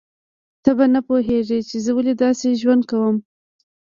ته به نه پوهیږې چې زه ولې داسې ژوند کوم